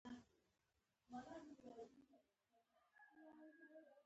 دا کرایه شوې سازمان د بهرنیو ګټو لپاره کارېدل.